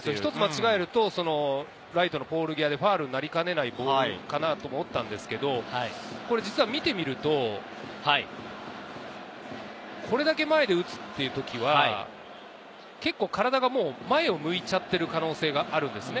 一つ間違えるとライトのポール際でファウルになりかねないかなと思ったんですけれど実は見てみると、これだけ前で打つっていう時はけっこう体が、もう前を向いちゃってる可能性があるんですね。